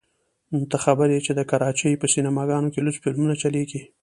ته خبر يې چې د کراچۍ په سينما ګانو کښې لوڅ فلمونه چلېږي.